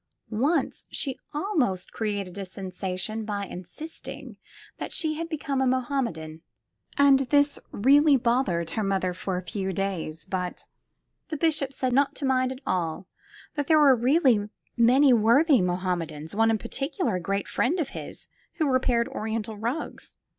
Once she almost created a sensation by insisting that she had become a Mohammedan, and this really bothered her mother for a few days, but the bishop said not to mind at all, that there were many worthy Mohammedans, one in particular, a great friend of his, who repaired Oriental rugs.